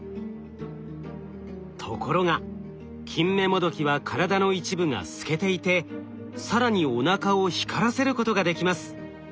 ところがキンメモドキは体の一部が透けていて更におなかを光らせることができます。